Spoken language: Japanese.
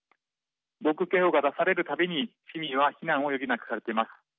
防空警報が出されるたびに市民は避難を余儀なくされています。